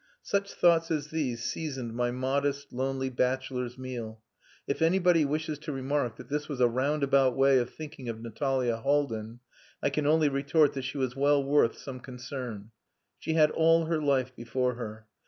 Such thoughts as these seasoned my modest, lonely bachelor's meal. If anybody wishes to remark that this was a roundabout way of thinking of Natalia Haldin, I can only retort that she was well worth some concern. She had all her life before her.